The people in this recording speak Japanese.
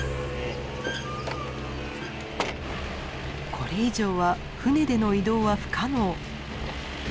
これ以上は船での移動は不可能。